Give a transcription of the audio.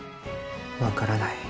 分からない。